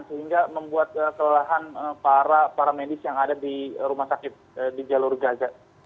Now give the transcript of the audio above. sehingga membuat kelelahan para medis yang ada di rumah sakit di jalur gaza